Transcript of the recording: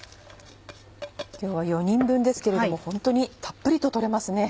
今日は４人分ですけれどもホントにたっぷりと取れますね。